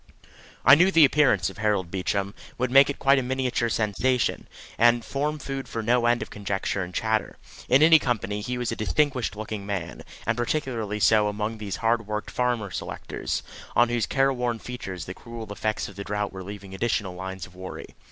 I knew the appearance of Harold Beecham, would make quite a miniature sensation, and form food for no end of conjecture and chatter. In any company he was a distinguished looking man, and particularly so among these hard worked farmer selectors, on whose careworn features the cruel effects of the drought were leaving additional lines of worry.